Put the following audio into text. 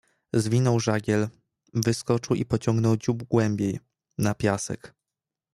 "Zwinął żagiel, wyskoczył i pociągnął dziób głębiej, na piasek."